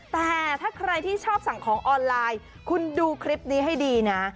แต่ถ้าใครที่ชอบสั่งของออนไลน์คุณดูคลิปนี้ให้ดีนะ